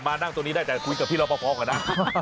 มานั่งตรงนี้ได้แต่คุยกับพี่รอปภก่อนนะ